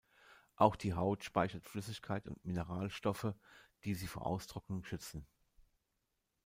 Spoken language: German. Auch die Haut speichert Flüssigkeit und Mineralstoffe, die sie vor Austrocknung schützen.